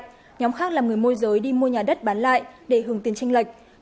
nhóm khác làm người môi giới đi mua nhà đất bán lại để hưởng tiền tranh lệch